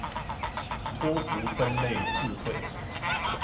托福分類字彙